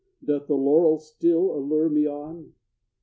Doth the laurel still allure me on?